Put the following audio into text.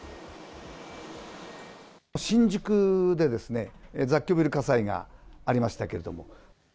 新宿で雑居ビル火災がありましたけれども。